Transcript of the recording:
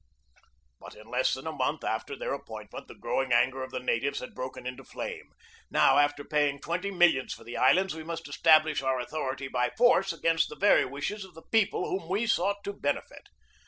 But in less than a month after their appointment the growing anger of the natives had broken into flame. Now, after paying twenty millions for the islands, we must establish our au thority by force against the very wishes of the people whom we sought to benefit.